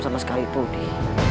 sama sekali pudih